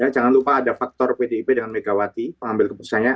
jangan lupa ada faktor pdip dengan megawati pengambil keputusannya